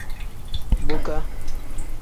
Boka.